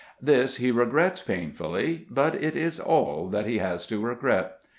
This he regrets painfully; but it is all that he has to regret.